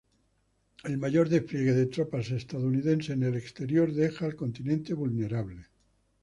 El mayor despliegue de tropas estadounidenses en el exterior deja al continente vulnerable.